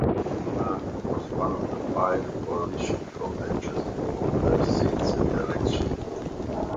Nairn was one of five Coalition frontbenchers to lose their seats at the election.